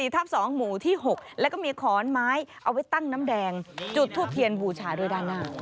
ทับ๒หมู่ที่๖แล้วก็มีขอนไม้เอาไว้ตั้งน้ำแดงจุดทูบเทียนบูชาด้วยด้านหน้า